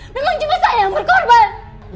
memang cuma saya yang berkorban